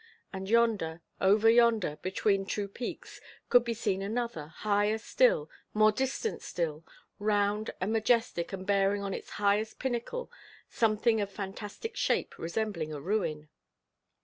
And yonder over yonder, between two peaks could be seen another, higher still, more distant still, round and majestic, and bearing on its highest pinnacle something of fantastic shape resembling a ruin.